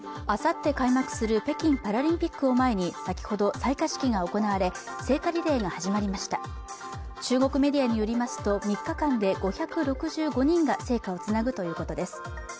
あさって開幕する北京パラリンピックを前に先ほど採火式が行われ聖火リレーが始まりました中国メディアによりますと３日間で５６５人が聖火をつなぐということです